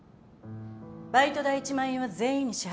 バイト代１万円は全員に支払います。